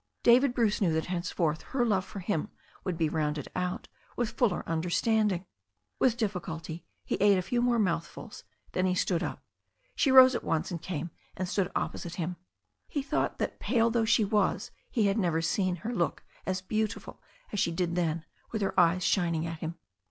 David Bruce knew that henceforth her love for him would be rounded out with fuller understanding. With difficulty he ate a few more mouth fuls and then he stood up. She rose at once and came and stood opposite him« He thought that pale though she was he had never seen her look as beautiful as she did then with her eyes shining at him.